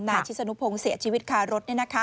ชิสนุพงศ์เสียชีวิตคารถ